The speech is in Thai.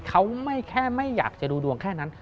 เขาไม่แค่ไม่อยากจะดูดวงแค่นั้น